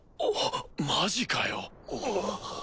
マジかよ。